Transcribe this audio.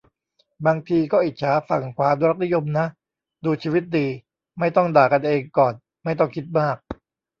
บางทีก็อิจฉาฝั่งขวาอนุรักษ์นิยมนะ ดูชีวิตดี ไม่ต้องด่ากันเองก่อน ไม่ต้องคิดมาก